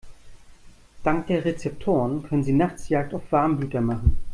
Dank der Rezeptoren können sie nachts Jagd auf Warmblüter machen.